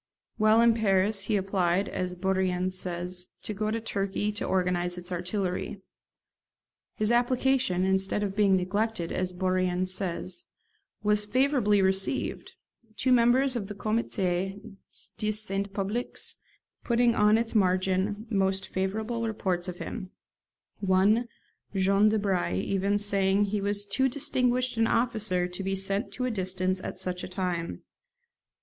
While in Paris he applied, as Bourrienne says, to go to Turkey to organise its artillery. His application, instead of being neglected, as Bourrienne says, was favourably received, two members of the 'Comité de Saint Public' putting on its margin most favorable reports of him; one, Jean Debry, even saying that he was too distinguished an officer to be sent to a distance at such a time.